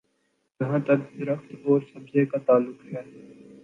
جہاں تک درخت اور سبزے کا تعلق ہے۔